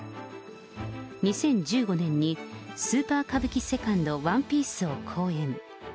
２０１５年にスーパー歌舞伎セカンド、ワンピースを公演。